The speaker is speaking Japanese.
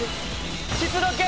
湿度計！